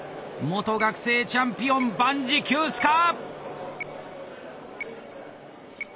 元学生チャンピオン万事休すか！